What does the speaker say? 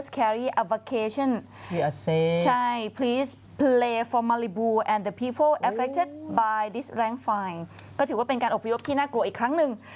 ก็ถือว่าเป็นการอบพยพที่น่ากลัวอีกครั้งหนึ่ง